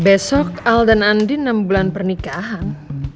besok al dan andi enam bulan pernikahan